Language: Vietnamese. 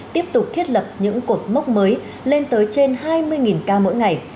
tiếp tục thiết lập những cột mốc mới lên tới trên hai mươi ca mỗi ngày